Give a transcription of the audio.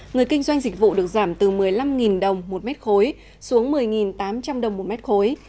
người kinh doanh dịch vụ được giảm từ một mươi năm đồng một mét khối xuống một mươi tám trăm linh đồng một mét khối